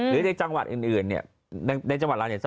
หรือในจังหวัดอื่นในจังหวัดเรา